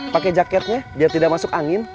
pakai jaketnya biar tidak masuk angin